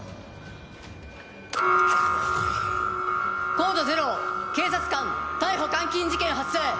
コード０警察官逮捕監禁事件発生！